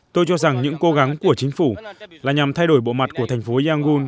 tôi cho rằng những cố gắng của chính phủ là nhằm thay đổi bộ mặt của thành phố yangun